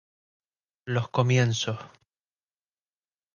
Los Comienzos.